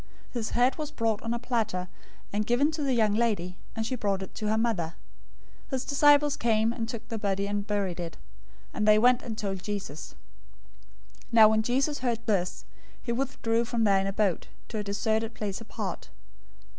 014:011 His head was brought on a platter, and given to the young lady: and she brought it to her mother. 014:012 His disciples came, and took the body, and buried it; and they went and told Jesus. 014:013 Now when Jesus heard this, he withdrew from there in a boat, to a deserted place apart.